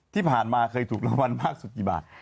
ที่ผ่านมาเคยถูกรางวัลมากสุดกี่บาท